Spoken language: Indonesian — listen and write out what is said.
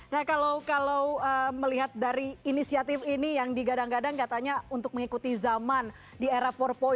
nah kalau melihat dari inisiatif ini yang digadang gadang katanya untuk mengikuti zaman di era empat